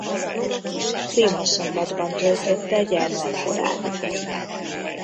Rimaszombatban töltötte gyermekkorát.